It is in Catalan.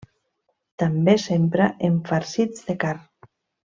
També s'empra en farcits de carn.